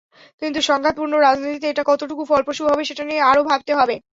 কিন্তু সংঘাতপূর্ণ রাজনীতিতে এটা কতটুকু ফলপ্রসূ হবে, সেটা নিয়ে আরও ভাবতে হবে।